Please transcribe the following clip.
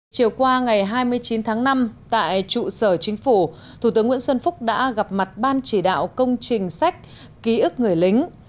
chiều qua ngày hai mươi chín tháng năm tại trụ sở chính phủ thủ tướng nguyễn xuân phúc đã gặp mặt ban chỉ đạo công trình sách ký ức người lính